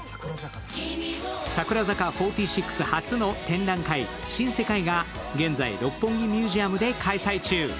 櫻坂４６初の展覧会、新せ界が現在、六本木ミュージアムで開催中。